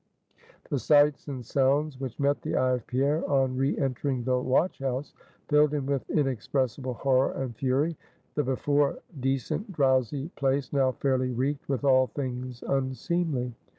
The sights and sounds which met the eye of Pierre on re entering the watch house, filled him with inexpressible horror and fury. The before decent, drowsy place, now fairly reeked with all things unseemly.